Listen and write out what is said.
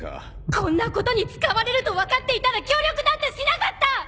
こんなことに使われると分かっていたら協力なんてしなかった！